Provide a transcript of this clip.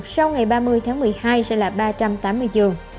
sau ngày ba mươi tháng một mươi hai sẽ là ba trăm tám mươi trường